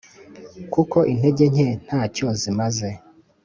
kuko intege nke nta cyo zimaze.